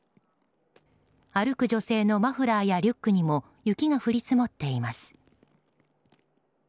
歩く女性のマフラーやリュックにも雪が降り積もっています。